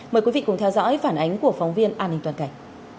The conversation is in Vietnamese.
mời quý vị cùng theo dõi phản ánh của phóng viên an ninh toàn cảnh